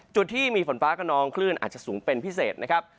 จุดที่มีฝนฟ้ากระนองคลื่นอาจจะสูงเป็นพิเศษนะครับ